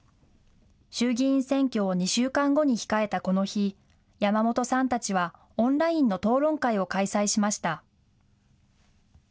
衆議院選挙を２週間後に控えたこの日、山本さんたちはオンラインの討論会を開催しました。